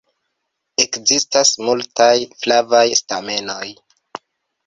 Ekzistas multaj flavaj stamenoj.